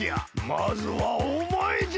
まずはおまえじゃ！